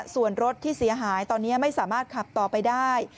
ส่วนรถที่เสียหายตอนนี้ไม่สามารถขับต่อไปได้